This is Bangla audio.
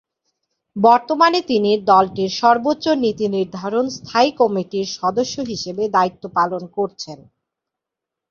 বর্তমানে তিনি দলটির সর্বোচ্চ নীতি নির্ধারণী স্থায়ী কমিটির সদস্য হিসেবে দায়িত্ব পালন করছেন।